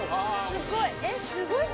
すごい！